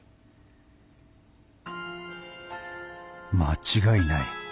間違いない。